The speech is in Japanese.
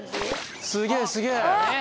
すげえすげえ！